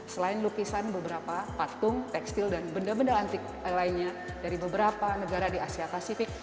selain lukisan beberapa patung tekstil dan benda benda antik lainnya dari beberapa negara di asia pasifik